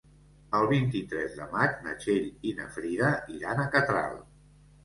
El vint-i-tres de maig na Txell i na Frida iran a Catral.